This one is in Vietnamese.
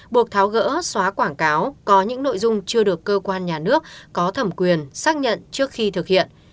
buộc tháo gỡ xóa quảng cáo có những nội dung chưa được cơ quan nhà nước có thẩm quyền xác nhận trước khi thực hiện